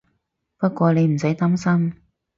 不過你唔使擔心